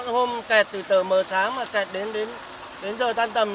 hôm kẹt từ tờ mờ sáng mà kẹt đến giờ tan tầm